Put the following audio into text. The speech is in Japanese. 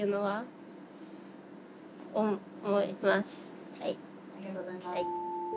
はい。